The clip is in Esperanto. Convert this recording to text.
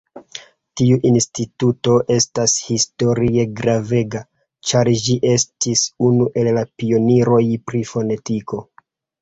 Tiu instituto estas historie gravega, ĉar ĝi estis unu el la pioniroj pri fonetiko.